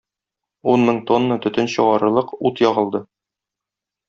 Ун мең тонна төтен чыгарырлык ут ягылды.